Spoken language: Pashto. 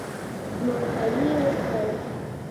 ممپلي و خورئ.